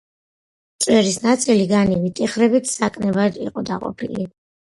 წვერის ნაწილი განივი ტიხრებით საკნებად იყო დაყოფილი.